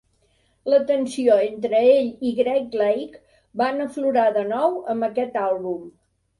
La tensió entre ell i Greg Lake van aflorar de nou amb aquest àlbum.